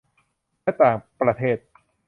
และต่างประเทศ